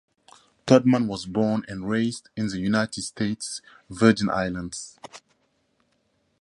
Todman was born and raised in the United States Virgin Islands.